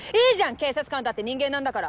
警察官だって人間なんだから。